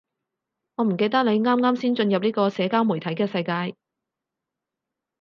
我唔記得你啱啱先進入呢個社交媒體嘅世界